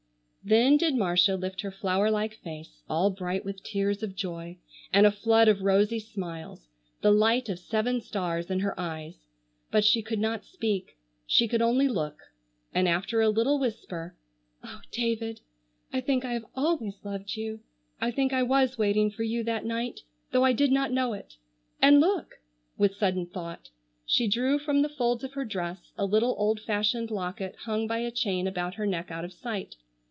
Then did Marcia lift her flower like face, all bright with tears of joy and a flood of rosy smiles, the light of seven stars in her eyes. But she could not speak, she could only look, and after a little whisper, "Oh, David, I think I have always loved you! I think I was waiting for you that night, though I did not know it. And look!"—with sudden thought—— She drew from the folds of her dress a little old fashioned locket hung by a chain about her neck out of sight.